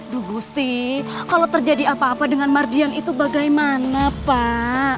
dugusti kalau terjadi apa apa dengan mardian itu bagaimana pak